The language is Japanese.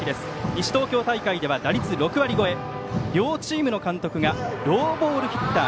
西東京大会では打率６割超え両チームの監督がローボールヒッター。